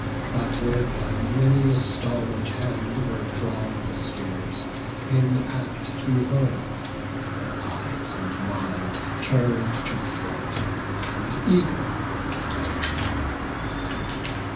Backward, by many a stalwart hand, were drawn The spears, in act to hurl; their eyes and minds Turn'd to the front, and eager for the fray.